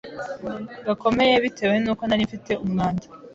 gakomeye bitewe n’uko nari mfite umwanda